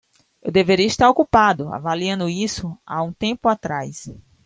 Eu deveria estar ocupado avaliando isso há um tempo atrás.